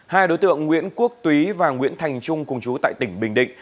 hai đối tượng nguyễn quốc túy và nguyễn thành trung cùng chú tại tỉnh bình định